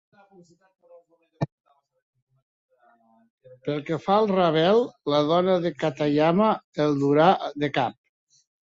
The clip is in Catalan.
Pel que fa al Ravel, la dona de Katayama el durà de cap.